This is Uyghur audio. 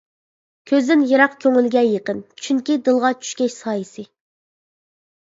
كۆزدىن يىراق، كۆڭۈلگە يېقىن، چۈنكى دىلغا چۈشكەچ سايىسى.